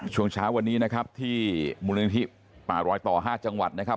ช่วงเช้าวันนี้นะครับที่มูลนิธิป่ารอยต่อ๕จังหวัดนะครับ